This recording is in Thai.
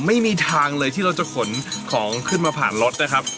ไม่มีทางเลยที่เราจะขนของขึ้นมาผ่านรถนะครับ